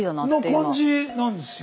感じなんですよ。